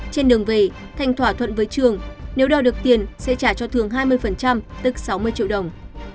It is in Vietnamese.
trên đường về thành thỏa thuận với trường nếu đòi được tiền sẽ trả cho thường hai mươi tức sáu mươi triệu đồng